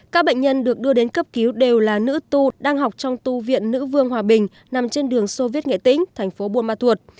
các bệnh nhân được đưa đến cấp cứu đều là nữ tu đang học trong tu viện nữ vương hòa bình nằm trên đường soviet nghệ tĩnh thành phố buôn ma thuột